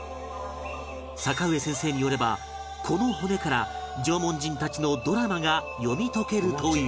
坂上先生によればこの骨から縄文人たちのドラマが読み解けるという